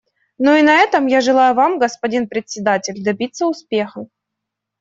Ну и на этом я желаю вам, господин Председатель, добиться успеха.